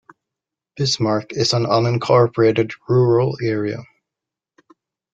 Bismarck is an unincorporated rural area.